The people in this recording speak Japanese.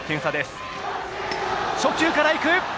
初球から行く。